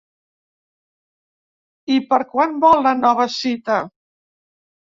I per quan vol la nova cita?